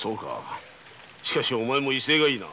しかしお前も威勢がいいな。